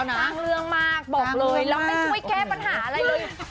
สร้างเรื่องมากบอกเลยแล้วไม่ช่วยแก้ปัญหาอะไรเลย